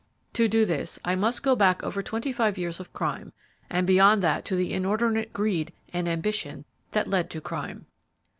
To do this, I must go back over twenty five years of crime, and beyond that to the inordinate greed and ambition that led to crime.